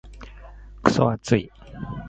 クソ暑い。